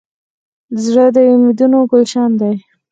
زړه د امیدونو ګلشن دی.